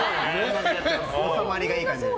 おさまりがいい感じで。